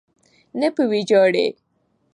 نه په ویجاړۍ.